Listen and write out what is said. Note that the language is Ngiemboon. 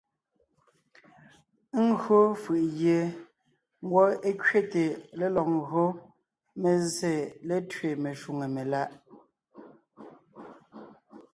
Ńgÿo fʉ̀ʼ gie ngwɔ́ é kẅéte lélɔg ńgÿo mé zsé létẅé meshwóŋè meláʼ.